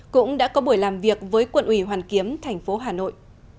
cũng đã có buổi làm việc với quận ủy hoàn kiếm thành phố hà nội